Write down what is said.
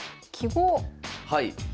はい。